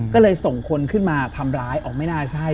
ก็เลยส่งคนขึ้นมาทำร้ายออกไม่น่าใช่